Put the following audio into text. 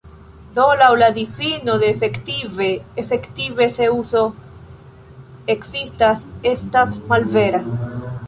Do laŭ la difino de "efektive", "Efektive Zeŭso ekzistas" estas malvera.